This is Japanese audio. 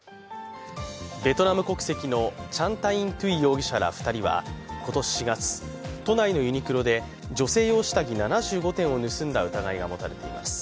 ベトナム国籍のチャン・タイン・トゥイ容疑者ら２人は今年４月、都内のユニクロで女性用下着７５点を盗んだ疑いが持たれています。